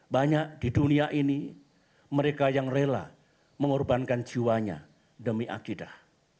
banyak di dunia ini mereka yang rela mengorbankan jiwanya demi akidah